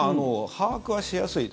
把握はしやすい。